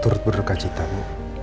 turut berduka cintamu